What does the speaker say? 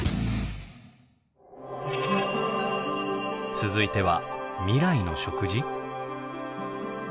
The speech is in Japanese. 続いては未来の食事？